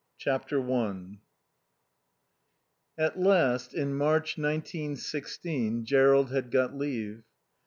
IX JERROLD i At last, in March, nineteen sixteen, Jerrold had got leave.